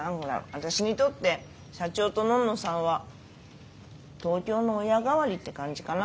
私にとって社長とのんのさんは東京の親代わりって感じかな。